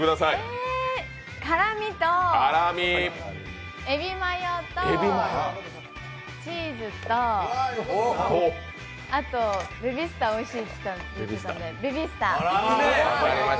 辛味とエビマヨとチーズとあと、ベビースターおいしいって言ってたんでベビースター。